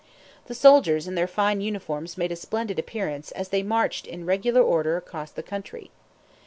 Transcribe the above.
The soldiers in their fine uniforms made a splendid appearance as they marched in regular order across the country.